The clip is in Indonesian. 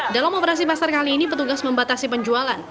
dalam operasi pasar kali ini petugas membatasi penjualan